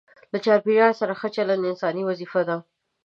له چاپیریال سره ښه چلند انساني وظیفه ده.